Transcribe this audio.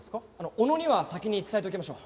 小野には先に伝えておきましょう。